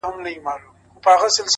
هره ناکامي د نوې لارې اشاره ده.